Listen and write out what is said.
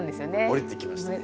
おりてきましたね。